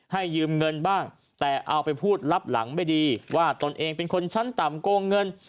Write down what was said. ยืมเงินบ้างแต่เอาไปพูดรับหลังไม่ดีว่าตนเองเป็นคนชั้นต่ำโกงเงิน